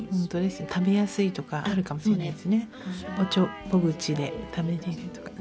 食べやすいとかあるかもしれないですね。